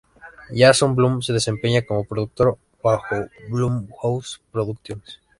Jason Blum se desempeña como productor bajo Blumhouse Productions.